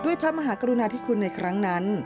พระมหากรุณาธิคุณในครั้งนั้น